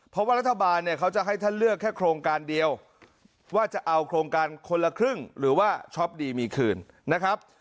เพราะว่ารัฐบาลเนี่ยเขาจะให้ท่านเลือกแค่โครงการเดียวว่าจะเอาโครงการคนละครึ่งหรือว่าช็อปดีมีคืนนะครับ